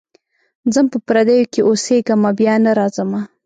ځم په پردیو کي اوسېږمه بیا نه راځمه.